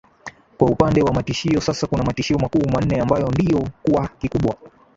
Kwa upande wa matishio sasa kuna matishio makuu manne ambayo ndio kwa kikubwa